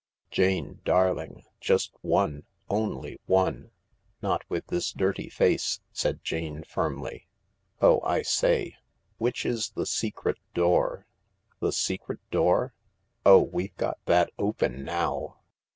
" Jane, darling— just one—only one." "Not with this dirty face," said Jane firmly. "Oh— I say, which is the secret door ?" "The secret door ? Oh— we've got that open now.